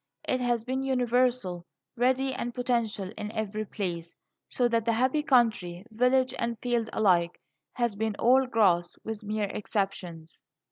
It has been universal, ready and potential in every place, so that the happy country village and field alike has been all grass, with mere exceptions.